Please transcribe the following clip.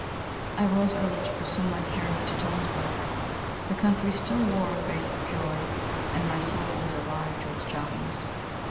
I rose early to pursue my journey to Tonsberg. The country still wore a face of joy and my soul was alive to its charms.